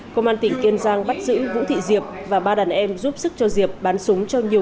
công an tỉnh kiên giang bắt giữ vũ thị diệp và ba đàn em giúp sức cho diệp bán súng cho nhiều